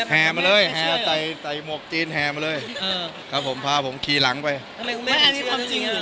ทำไมคุณแม่นี่ความจริงหรือว่า